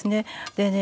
でね